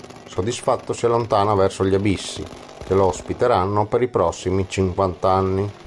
Soddisfatto si allontana verso gli abissi, che lo ospiteranno per i prossimi cinquanta anni.